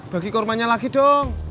bagi kormanya lagi dong